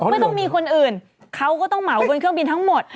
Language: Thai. ไม่ต้องมีคนอื่นเขาก็ต้องเหมาบนเครื่องบินทั้งหมด